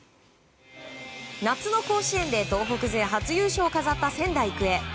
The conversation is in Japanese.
夏の甲子園で東北勢初優勝を飾った仙台育英。